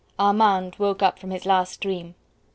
Armand woke up from his last dream.